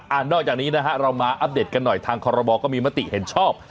นอกจากนี้นะฮะเรามาอัปเดตกันหน่อยทางคอรมอก็มีมติเห็นชอบ